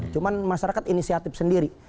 cuman masyarakat inisiatif sendiri